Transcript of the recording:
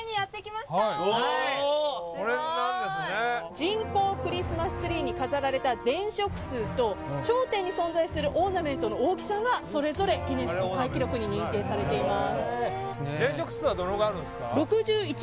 人口クリスマスツリーに飾られた電飾数と頂点に存在するオーナメントの大きさがそれぞれギネス世界記録に認定されています。